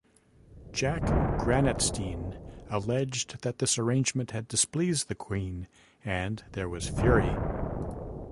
Jack Granatstein alleged that this arrangement had displeased the Queen and there was fury.